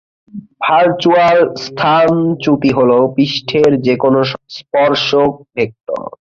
Virtual স্থানচ্যুতি হল পৃষ্ঠের যেকোন স্পর্শক ভেক্টর।